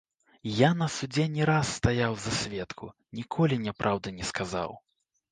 Я на судзе не раз стаяў за сведку, ніколі няпраўды не сказаў.